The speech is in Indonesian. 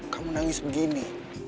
kamu nangis begini